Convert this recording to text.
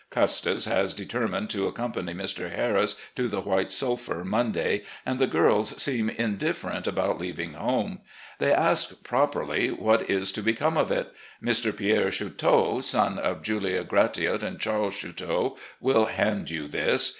Custis has determined to accompany Mr. Harris to the White Sulphur Monday, and the girls seem indifferent about leaving home. They ask, properly, what is to become of it ? Mr. Pierre Chouteau, son of Julia Gratiot and Charles Chouteau, will hand you this.